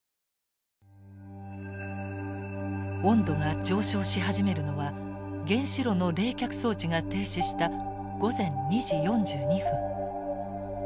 温度が上昇し始めるのは原子炉の冷却装置が停止した午前２時４２分。